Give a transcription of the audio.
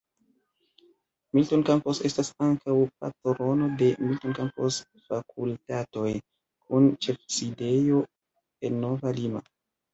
Milton Campos estas ankaŭ patrono de "Milton Campos Fakultatoj", kun ĉefsidejo en Nova Lima.